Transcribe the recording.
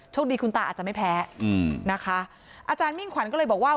คดีคุณตาอาจจะไม่แพ้อืมนะคะอาจารย์มิ่งขวัญก็เลยบอกว่า